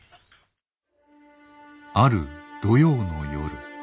ある土曜の夜。